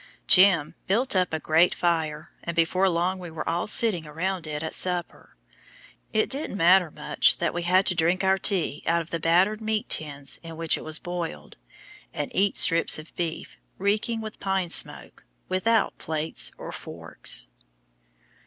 "Jim" built up a great fire, and before long we were all sitting around it at supper. It didn't matter much that we had to drink our tea out of the battered meat tins in which it was boiled, and eat strips of beef reeking with pine smoke without plates or forks.